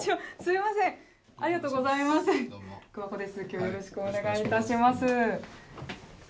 きょうはよろしくお願いいたします。